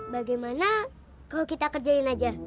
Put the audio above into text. bagaimana kalau kita kerjain aja